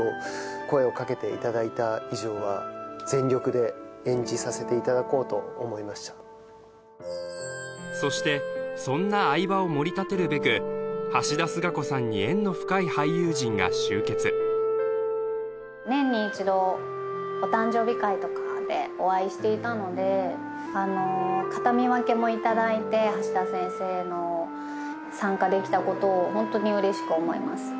声をかけていただいた以上はそしてそんな相葉をもり立てるべく橋田壽賀子さんに縁の深い俳優陣が集結年に一度お誕生日会とかでお会いしていたので形見分けもいただいて橋田先生の参加できたことをホントに嬉しく思います